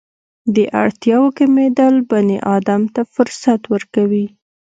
د اړتیاوو کمېدل بني ادم ته فرصت ورکوي.